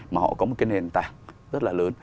mà họ có một cái nền tảng rất là lớn